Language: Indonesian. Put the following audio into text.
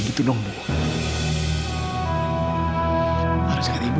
kita mau kemana sih